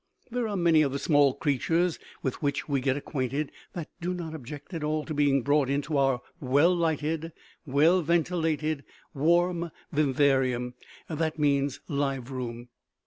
There are many of the small creatures with which we get acquainted that do not object at all to being brought into our well lighted, well ventilated, warm vivarium that means live room.